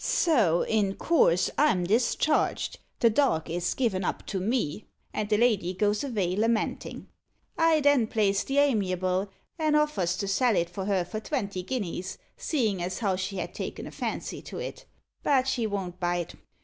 So in course I'm discharged; the dog is given up to me; and the lady goes avay lamentin'. I then plays the amiable, an' offers to sell it her for twenty guineas, seein' as how she had taken a fancy to it; but she von't bite.